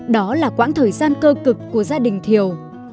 đó là quãng thời gian cơ cực của gia đình thiều